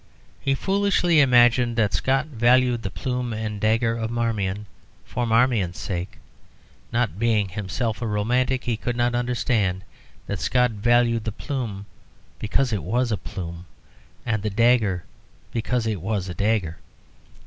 He foolishly imagined that Scott valued the plume and dagger of Marmion for Marmion's sake. Not being himself romantic, he could not understand that Scott valued the plume because it was a plume, and the dagger because it was a dagger.